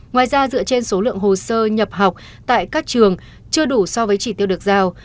ngoài ra dựa trên số lượng hồ sơ nhập học tại các trường chưa đủ so với chỉ tiêu được giao